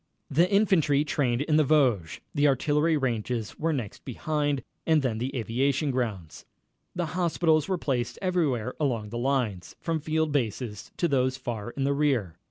The infantry trained in the Vosges. The artillery ranges were next behind, and then the aviation grounds. The hospitals were placed everywhere along the lines, from field bases to those far in the rear.